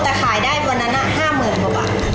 แต่ขายได้วันนั้น๕น้องบาท